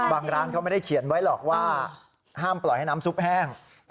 ร้านเขาไม่ได้เขียนไว้หรอกว่าห้ามปล่อยให้น้ำซุปแห้ง